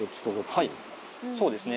はいそうですね。